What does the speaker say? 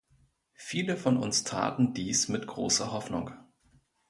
Viele von uns taten dies mit großer Hoffnung.